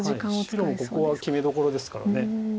白もここは決めどころですから。